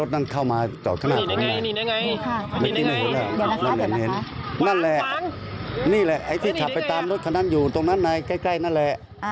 นี่แหละนี่แหละไอ้ที่ขับไปตามรถคันนั้นอยู่ตรงนั้นในใกล้นั่นแหละ